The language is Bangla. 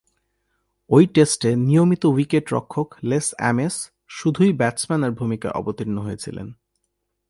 ঐ টেস্টে নিয়মিত উইকেট-রক্ষক লেস অ্যামিস শুধুই ব্যাটসম্যানের ভূমিকায় অবতীর্ণ হয়েছিলেন।